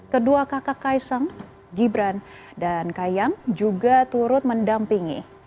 kedua kakak kaisang gibran dan kayam juga turut mendampingi